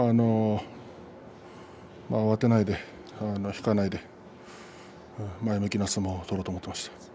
慌てないで引かないで前向きな相撲を取ろうと思っていました。